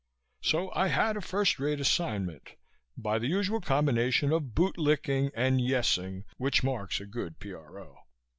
So I had a first rate assignment, by the usual combination of boot licking and "yessing" which marks a good P.R.O.